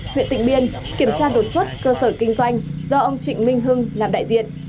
huyện tịnh biên kiểm tra đột xuất cơ sở kinh doanh do ông trịnh minh hưng làm đại diện